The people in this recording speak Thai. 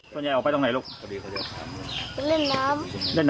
พอเล่นน้ำเสร็จแล้วเขาก็ไปที่อื่น